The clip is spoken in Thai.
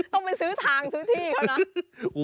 ต้องไปซื้อทางซื้อที่เขานะ